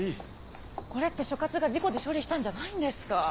これって所轄が事故で処理したんじゃないんですか？